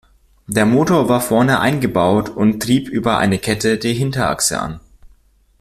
Der Motor war vorne eingebaut und trieb über eine Kette die Hinterachse an.